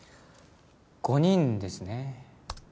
５人ですね。